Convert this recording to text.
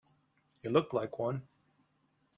You look like one.